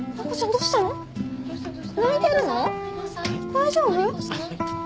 大丈夫？